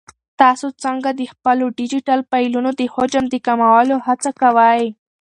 تاسو څنګه د خپلو ډیجیټل فایلونو د حجم د کمولو هڅه کوئ؟